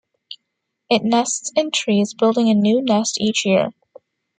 It nests in trees, building a new nest each year.